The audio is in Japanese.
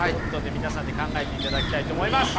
皆さんで考えていただきたいと思います！